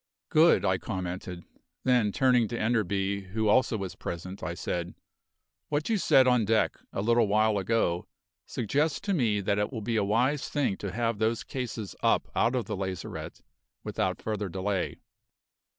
"Good!" I commented. Then, turning to Enderby, who also was present, I said: "What you said on deck, a little while ago, suggests to me that it will be a wise thing to have those cases up out of the lazarette without further delay.